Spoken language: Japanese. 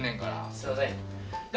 すいません。